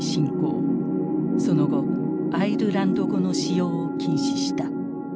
その後アイルランド語の使用を禁止した。